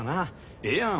ええやん